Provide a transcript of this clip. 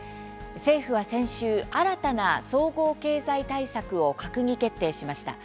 政府は先週、新たな総合経済対策を閣議決定しました。